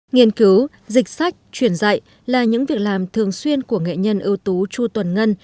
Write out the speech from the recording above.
nghiên cứu dịch sách truyền dạy là những việc làm thường xuyên của nghệ nhân ưu tú chu tuần ngân